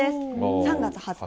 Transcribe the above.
３月２０日。